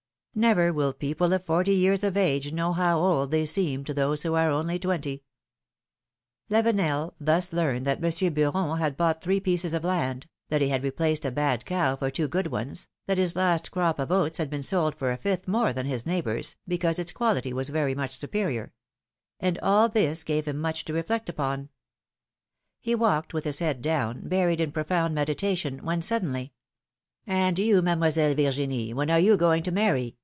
Never will people of forty years of age know how old they seem to those who are only twenty ! Lavenel thus learned that Monsieur Beuron had bought three pieces of land, that he had replaced a bad cow for two good ones, that his last crop of oats had been sold for a fifth more than his neighbor's, because its quality was very much superior; and all this gave him much to reflect upon. He walked with his head down, buried in pro found meditation, when suddenly : ^'And you. Mademoiselle Virginie, when are you going to marry